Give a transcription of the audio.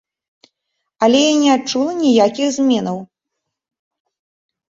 Але я не адчула ніякіх зменаў.